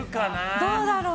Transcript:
どうだろう。